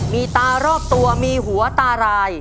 มีตารอบตัวมีหัวตาราย